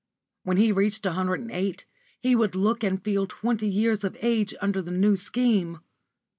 When he reached a hundred and eight he would look and feel twenty years of age under the New Scheme.